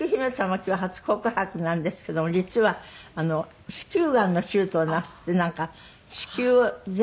今日初告白なんですけども実は子宮がんの手術をなすってなんか子宮全摘出？